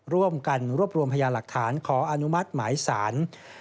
ร่วมกันรวบรวมพยาหลักฐานขออนุมัติหมายสาร